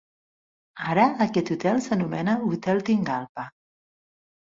Ara aquest hotel s'anomena Hotel Tingalpa.